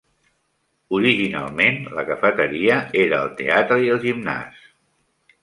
Originalment, la cafeteria era el teatre i el gimnàs.